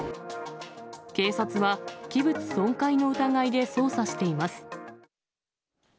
警察は器物損壊の疑いで捜査しています。